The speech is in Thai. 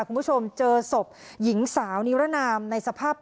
คุณผู้ชมเจอศพหญิงสาวนิรนามในสภาพ